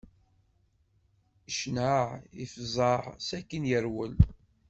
Icneɛ, ifẓeɛ sakin yerwel.